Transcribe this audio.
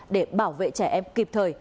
để bảo vệ trẻ em kịp thời